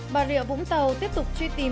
bà rịa vũng tàu tiếp tục truy tìm